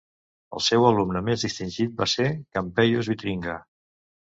El seu alumne més distingit va ser Campeius Vitringa.